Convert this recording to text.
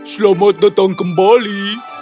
selamat datang kembali